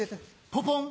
ポポン！